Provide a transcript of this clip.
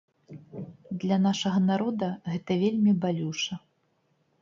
Для нашага народа гэта вельмі балюча.